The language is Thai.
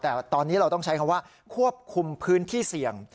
แต่ตอนนี้เราต้องใช้คำว่าควบคุมพื้นที่เสี่ยง